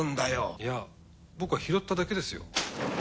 いやぁ僕は拾っただけですよ。